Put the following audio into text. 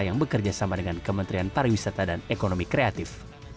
yang bekerja sama dengan kementerian pariwisata dan ekonomi kreatif